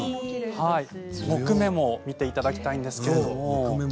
木目も見ていただきたいんですけれども。